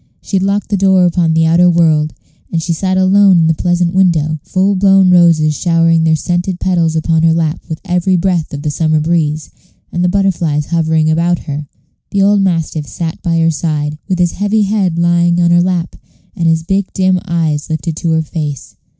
She had locked the door upon the outer world, and she sat alone in the pleasant window, the full blown roses showering their scented petals upon her lap with every breath of the summer breeze, and the butterflies hovering about her. The old mastiff sat by her side, with his heavy head lying on her lap, and his big dim eyes lifted to her face.